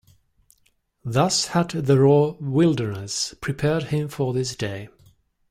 Thus had the raw wilderness prepared him for this day.